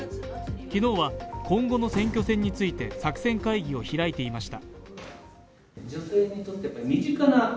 昨日は今後の選挙戦について作戦会議を開いていました。